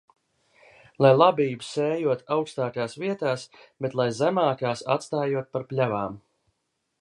Lai labību sējot augstākās vietās, bet lai zemākās atstājot par pļavām.